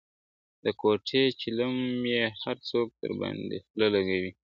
د کوټې چیلم یې هر څوک درباندي خوله لکوي ..